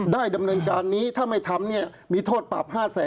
ดำเนินการนี้ถ้าไม่ทำมีโทษปรับ๕๐๐๐